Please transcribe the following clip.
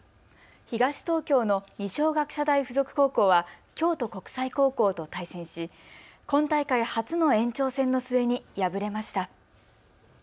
東東京の二松学舎大付属高校は京都国際高校と対戦し今大会初の延長戦の末に敗れました。